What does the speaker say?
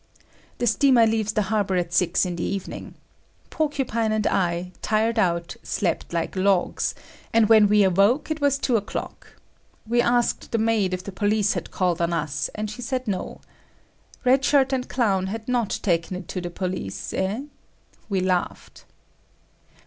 The steamer leaves the harbor at six in the evening. Porcupine and I, tired out, slept like logs, and when we awoke it was two o'clock. We asked the maid if the police had called on us, and she said no. Red Shirt and Clown had not taken it to the police, eh? We laughed.